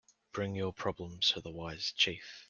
Bring your problems to the wise chief.